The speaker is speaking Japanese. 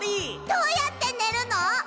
どうやってねるの？